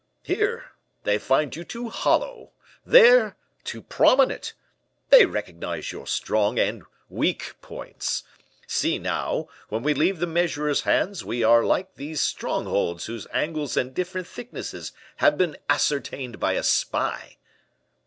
Here, they find you too hollow; there, too prominent. They recognize your strong and weak points. See, now, when we leave the measurer's hands, we are like those strongholds whose angles and different thicknesses have been ascertained by a spy."